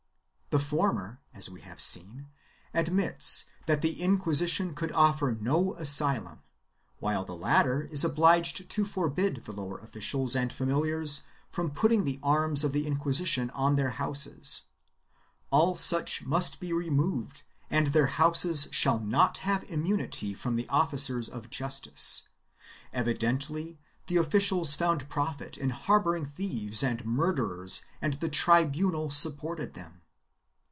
The former, as we have seen, admits that the Inquisition could offer no asylum, while the latter is obliged to forbid the lower officials and familiars from putting the arms of the Inquisition on their houses; all such must be removed and their houses shall not have immunity from the officers of justice — evidently the officials found profit in harboring thieves and murderers and the tribunal supported them.